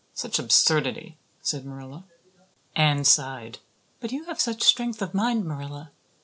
Such absurdity!" said Marilla. Anne sighed. "But you have such strength of mind, Marilla.